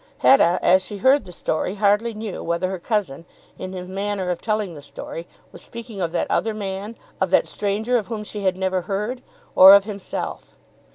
Hetta as she heard the story hardly knew whether her cousin, in his manner of telling the story, was speaking of that other man, of that stranger of whom she had never heard, or of himself.